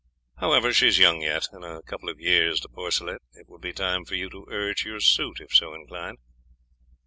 However, she is young yet; in a couple of years, De Porcelet, it will be time for you to urge your suit, if so inclined."